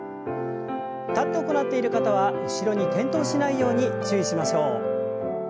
立って行っている方は後ろに転倒しないように注意しましょう。